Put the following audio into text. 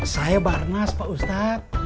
saya barnas pak ustadz